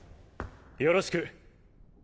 よろしく。